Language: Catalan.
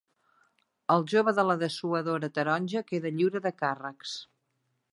El jove de la dessuadora taronja queda lliure de càrrecs